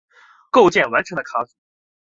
构建完成的卡组。